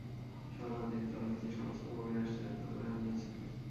স্মরণাতীত কাল হইতে সমস্ত ভূমি রাষ্ট্রায়ত্ত করা হইয়াছিল।